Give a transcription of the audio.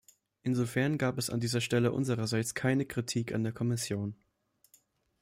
Insofern gab es an dieser Stelle unsererseits keine Kritik an der Kommission.